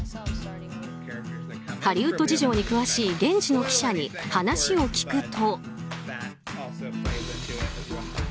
ハリウッド事情に詳しい現地の記者に話を聞くと。